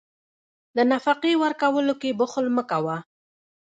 د نفقې ورکولو کې بخل مه کوه.